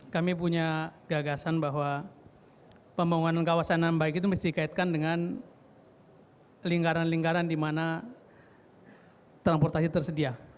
kami punya gagasan bahwa pembangunan kawasan yang baik itu mesti dikaitkan dengan lingkaran lingkaran di mana transportasi tersedia